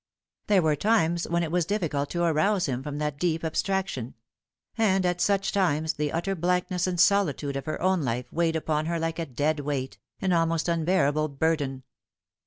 There were times when it was difficult to arouse him from that deep abstraction ; and at such times the utter blankness and solitude of her own life weighed upon her like a dead weight, an almost unbearable burden.